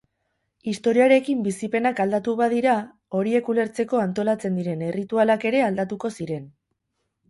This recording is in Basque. Historiarekin bizipenak aldatu badira, horiek ulertzeko antolatzen diren erritualak ere aldatuko ziren.